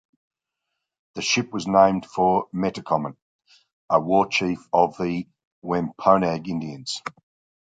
The ship was named for Metacomet, a war chief of the Wampanoag Indians.